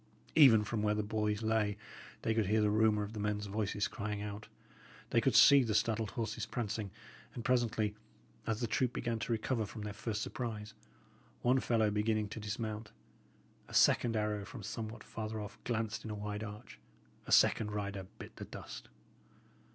Even from where the boys lay they could hear the rumour of the men's voices crying out; they could see the startled horses prancing, and, presently, as the troop began to recover from their first surprise, one fellow beginning to dismount. A second arrow from somewhat farther off glanced in a wide arch; a second rider bit the dust.